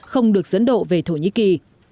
không được dẫn độ về thổ nhĩ kỳ